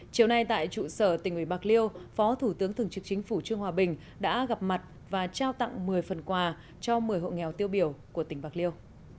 chiều nay tại trụ sở tỉnh ủy bạc liêu phó thủ tướng thường trực chính phủ trương hòa bình đã gặp mặt và trao tặng một mươi phần quà cho một mươi hộ nghèo tiêu biểu của tỉnh bạc liêu